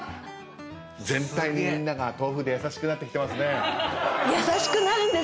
全体にみんなが豆腐で優しくなってきてますね。